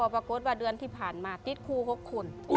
ปรากฏว่าเดือนที่ผ่านมาติดคู่๖คน